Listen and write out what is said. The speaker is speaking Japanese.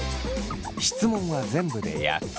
質問は全部で８つ。